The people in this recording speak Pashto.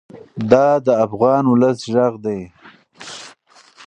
دا د افغان ولس غږ دی.